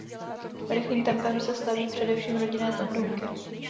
Rychlým tempem se staví především rodinné domky.